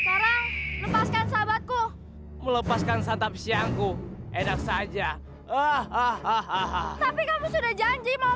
sekarang lepaskan sahabatku melepaskan santap siangku enak saja tapi kamu sudah janji mau